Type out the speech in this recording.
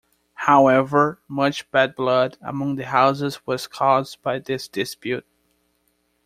However, much bad blood among the houses was caused by this dispute.